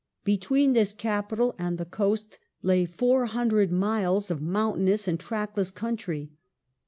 Between this capital and the coast lay four hundred miles of mountainous and trackless country.